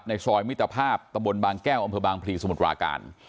ซอยมิตรภาพตะบนบางแก้วอำเภอบางพลีสมุทรปราการ